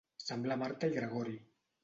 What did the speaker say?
Semblar Marta i Gregori.